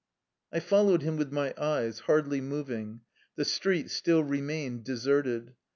I followed him with my eyes, hardly moving. The street still remained deserted.